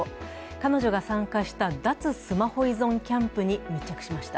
彼女が参加した脱スマホ依存キャンプに密着しました。